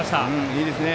いいですね。